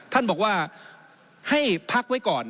ท่านบอกว่าให้พักไว้ก่อน